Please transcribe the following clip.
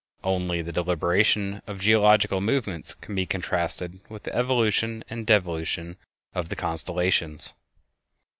Only the deliberation of geological movements can be contrasted with the evolution and devolution of the constellations.